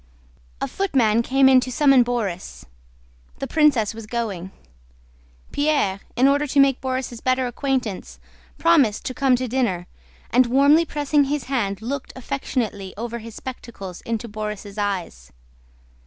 A footman came in to summon Borís—the princess was going. Pierre, in order to make Borís' better acquaintance, promised to come to dinner, and warmly pressing his hand looked affectionately over his spectacles into Borís' eyes.